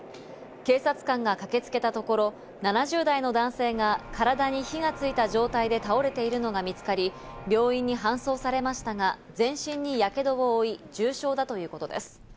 警察官が駆けつけたところ、７０代の男性が体に火がついた状態で倒れているのが見つかり、病院に搬送されましたが、全身に火傷を負い、重傷だということです。